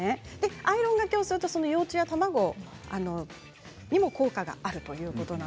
アイロンがけをすると幼虫や卵にも効果があるということです。